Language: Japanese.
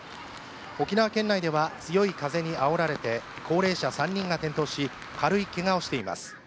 沖縄県内では強い風にあおられて高齢者３人が転倒し、軽いけがをしています。